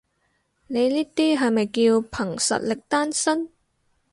你呢啲係咪叫憑實力單身？